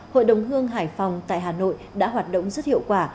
hội đồng hương hải phòng tại hà nội đã hoạt động rất hiệu quả